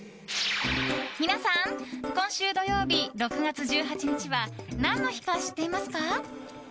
皆さん、今週土曜日６月１８日は何の日か知っていますか？